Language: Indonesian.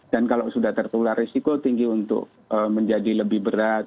dan kalau sudah tertular risiko tinggi untuk menjadi lebih berat